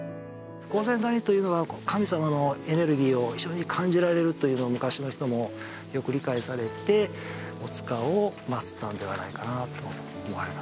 御膳谷というのは神様のエネルギーを非常に感じられるというのを昔の人もよく理解されてお塚を祀ったんではないかなと思われます